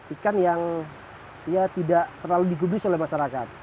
ikan yang ya tidak terlalu digubris oleh masyarakat